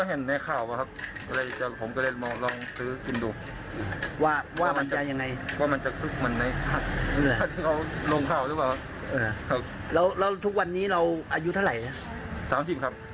อันนี้ก็ต้องลองดูก่อนครับ